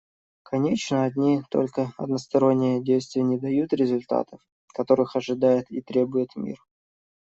Конечно, одни только односторонние действия не дают результатов, которых ожидает и требует мир.